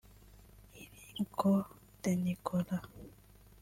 Enrico de Nicola